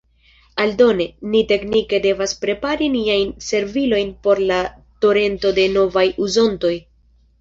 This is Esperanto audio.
Aldone, ni teknike devas prepari niajn servilojn por la torento de novaj uzontoj.